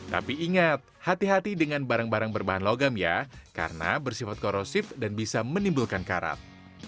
tapi ingat hati hati dengan barang barang berbahan logam ya karena bersifat korosif dan bisa menimbulkan karat